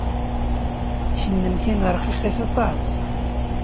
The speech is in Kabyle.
Kennemti rqiqit aṭas.